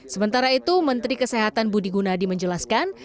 sementara itu menteri kesehatan budi gunadi menjelaskan